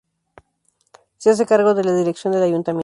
Se hace cargo de la dirección del Ayuntamiento.